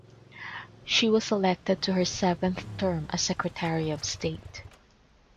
She was elected to her seventh term as Secretary of State.